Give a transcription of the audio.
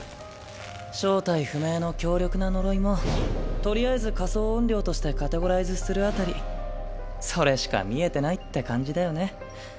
正体不明の強力な呪いもとりあえず仮想怨霊としてカテゴライズするあたりそれしか見えてないって感じだよね。